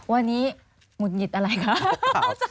วันนี้หมุนหยิดอะไรครับ